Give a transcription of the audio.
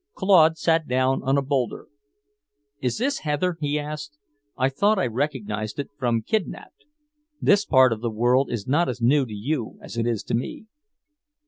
Claude sat down on a boulder. "Is this heather?" he asked. "I thought I recognized it, from 'Kidnapped.' This part of the world is not as new to you as it is to me."